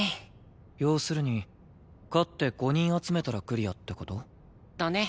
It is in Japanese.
要するに勝って５人集めたらクリアって事？だね。